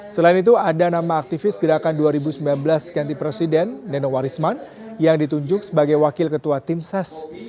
selain itu ada nama aktivis gerakan dua ribu sembilan belas ganti presiden nenowarisman yang ditunjuk sebagai wakil ketua tim ses